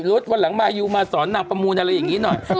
รถวันหลังมายูมาสอนนางประมูลอะไรอย่างนี้หน่อย